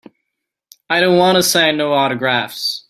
I don't wanta sign no autographs.